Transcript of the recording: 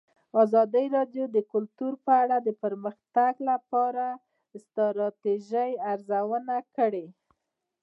ازادي راډیو د کلتور په اړه د پرمختګ لپاره د ستراتیژۍ ارزونه کړې.